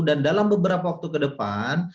dan dalam beberapa waktu ke depan